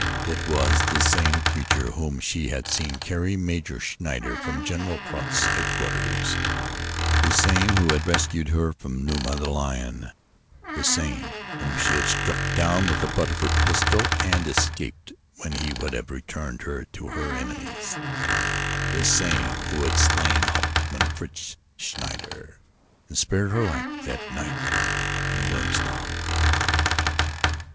It was the same creature whom she had seen carry Major Schneider from General Kraut's headquarters, the same who had rescued her from Numa, the lion; the same whom she had struck down with the butt of her pistol and escaped when he would have returned her to her enemies, the same who had slain Hauptmann Fritz Schneider and spared her life that night in Wilhelmstal.